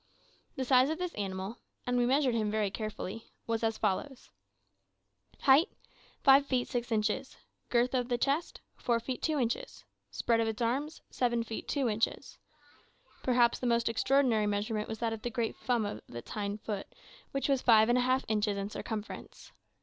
The size of this animal and we measured him very carefully was as follows: Height, 5 feet 6 inches; girth of the chest, 4 feet 2 inches; spread of its arms, 7 feet 2 inches. Perhaps the most extraordinary measurement was that of the great thumb of its hind foot, which was 5 and a half inches in circumference.